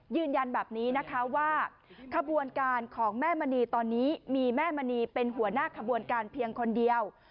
ยืนยันแบบนี้นะคะว่าขบวนการของแม่มณีตอนนี้มีแม่มณีเป็นหัวหน้าขบวนการเพียงคนเดียว